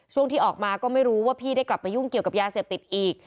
ที่ออกมาก็ไม่รู้ว่าพี่ได้กลับไปยุ่งเกี่ยวกับยาเสพติดอีก